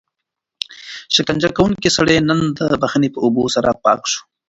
شکنجه کوونکی سړی نن د بښنې په اوبو سره پاک شو.